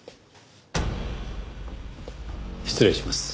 失礼します。